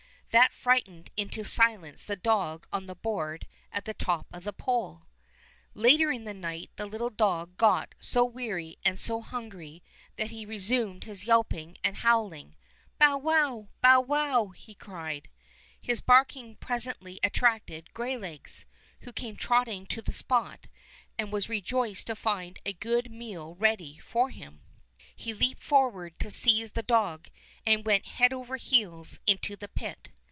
That frightened into silence the dog on the board at the top of the pole. Later in the night the little dog got so weary and so hungry that he resumed his yelping and howling. ''Bow wow, bow wow!" he cried. His barking presently attracted Greylegs, who came trotting to the spot, and was re joiced to find a good meal ready for him. He leaped forward to seize the dog, and went head over heels into the pit.